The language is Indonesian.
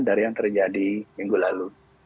dari yang terjadi minggu lalu